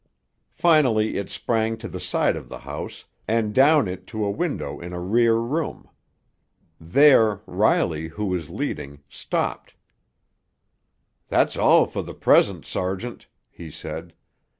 Finally it sprang to the side of the house, and down it to a window in a rear room. There Riley, who was leading, stopped. "That's all for the present, sergeant," he said.